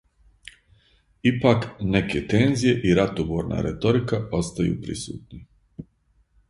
Ипак, неке тензије и ратоборна реторика остају присутни.